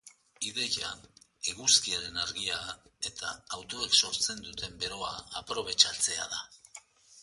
Ideia, eguzkiaren argia eta autoek sortzen duten beroa aprobetxatzea da.